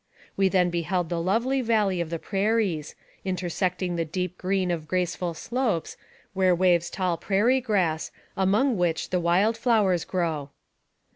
We then beheld the lovely valley of the prairies, intersecting the deep green of graceful slopes, where waves tall prairie grass, among which the wild flow ers grow.